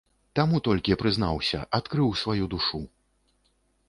Таму толькі прызнаўся, адкрыў сваю душу.